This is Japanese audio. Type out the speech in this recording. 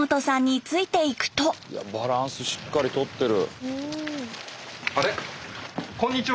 バランスしっかりとってる。